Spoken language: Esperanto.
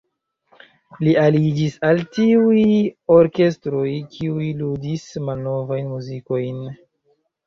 Li aliĝis al tiuj orkestroj, kiuj ludis malnovajn muzikojn.